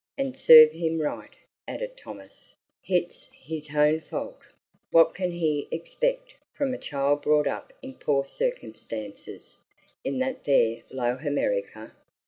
An' serve him right," added Thomas; "hit's 'is hown fault. Wot can he iggspect from a child brought up in pore circumstances in that there low Hamerica?"